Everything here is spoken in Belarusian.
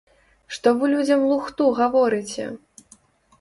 Што вы людзям лухту гаворыце?!